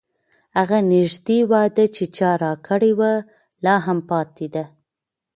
هغه نږدې وعده چې چا راکړې وه، لا هم پاتې ده.